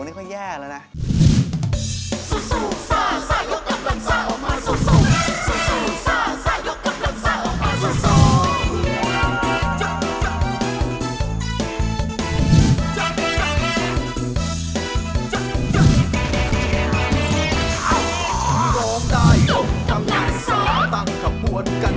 นี่ก็แย่แล้วนะ